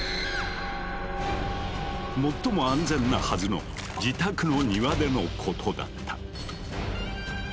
最も安全なはずの自宅の庭でのことだった。